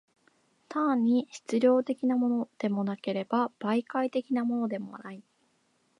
単に質料的のものでもなければ、媒介的のものでもない。